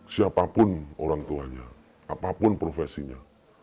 siapapun orang tuanya apapun profesinya